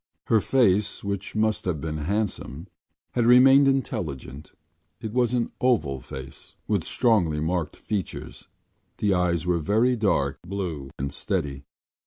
Her face, which must have been handsome, had remained intelligent. It was an oval face with strongly marked features. The eyes were very dark blue and steady.